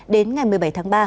đến ngày một mươi bảy tháng ba